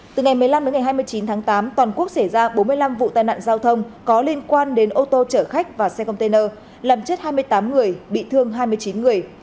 từ ngày một mươi năm đến ngày hai mươi chín tháng tám toàn quốc xảy ra bốn mươi năm vụ tai nạn giao thông có liên quan đến ô tô chở khách và xe container làm chết hai mươi tám người bị thương hai mươi chín người